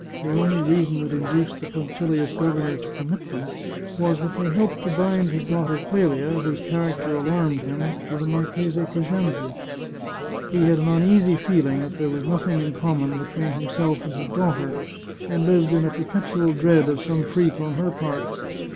The only reason that induced the punctilious governor to permit them was that they helped to bind his daughter Clelia, whose character alarmed him, to the Marchese Crescenzi, He had an uneasy feeling that there was nothing in common between himself and his daughter, and lived in perpetual dread of some freak on her part.